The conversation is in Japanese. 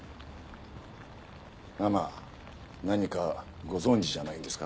ママ何かご存じじゃないんですか？